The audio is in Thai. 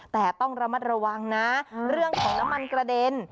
แต่ต้องระมัดระวังนะเรื่องของน้ำมันกระเด็น